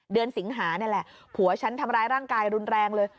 สิงหานี่แหละผัวฉันทำร้ายร่างกายรุนแรงเลย